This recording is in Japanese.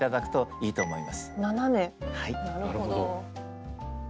なるほど。